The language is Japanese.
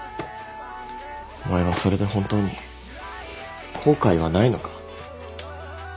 お前はそれで本当に後悔はないのか？